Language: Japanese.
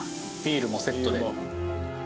ビールもセットで。